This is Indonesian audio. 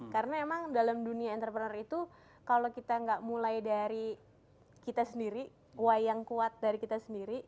karena emang dalam dunia entrepreneur itu kalau kita gak mulai dari kita sendiri y yang kuat dari kita sendiri